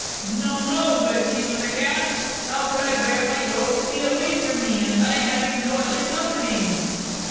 "No, no, good King of the Cats. How could I bear my goat to be away from me, and I having no other company?"